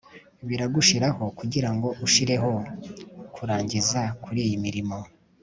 biragushiraho kugirango ushireho kurangiza kuriyi mirimo